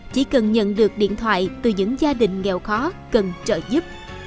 chỉ cần nhận được điện thoại từ những gia đình nghèo khó cần trợ giúp